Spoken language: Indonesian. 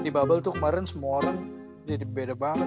di bubble tuh kemarin semua orang jadi beda banget